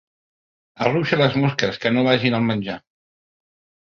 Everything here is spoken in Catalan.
Arruixa les mosques, que no vagin al menjar.